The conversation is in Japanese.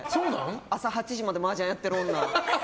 朝８時までマージャンやってる女。